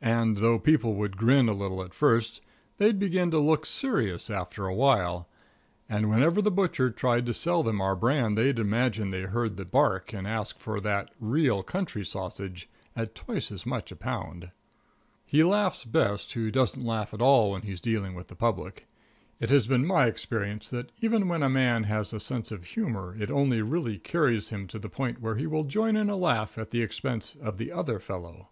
And, though people would grin a little at first, they'd begin to look serious after a while; and whenever the butcher tried to sell them our brand they'd imagine they heard the bark, and ask for "that real country sausage" at twice as much a pound. He laughs best who doesn't laugh at all when he's dealing with the public. It has been my experience that, even when a man has a sense of humor, it only really carries him to the point where he will join in a laugh at the expense of the other fellow.